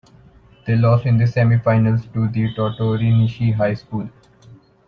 They lost in the semi-finals to Tottori Nishi High School.